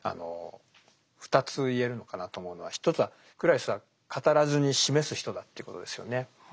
２つ言えるのかなと思うのは一つはクラリスは語らずに「示す」人だということですよね。